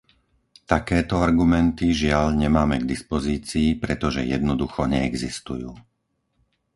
Takéto argumenty, žiaľ, nemáme k dispozícii, pretože jednoducho neexistujú.